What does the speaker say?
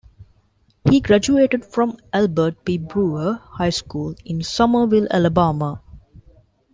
He graduated from Albert P. Brewer High School in Somerville, Alabama.